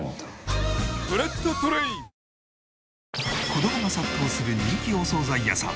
子どもが殺到する人気お惣菜屋さん。